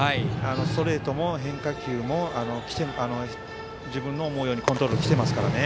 ストレートも変化球も自分の思うようにコントロールが来ていますからね。